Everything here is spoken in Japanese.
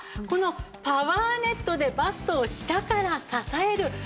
このパワーネットでバストを下から支える。